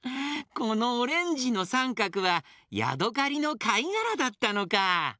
このオレンジのさんかくはヤドカリのかいがらだったのか！